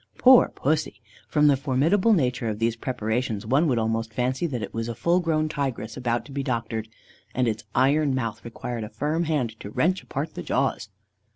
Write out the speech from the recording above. Poor Pussy! From the formidable nature of these preparations, one would almost fancy that it was a full grown tigress about to be doctored, and its iron mouth required a firm hand to wrench apart the jaws.